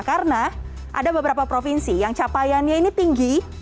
karena ada beberapa provinsi yang capaiannya ini tinggi